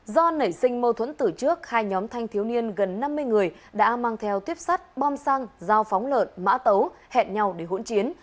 do nảy sinh mâu thuẫn tử trước hai nhóm thanh thiếu niên gần năm mươi người đã mang theo tuyếp sắt bom xăng dao phóng lợn mã tấu hẹn nhau để hỗn chiến